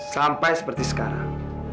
sampai seperti sekarang